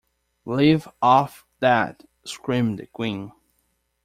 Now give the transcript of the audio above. ‘Leave off that!’ screamed the Queen.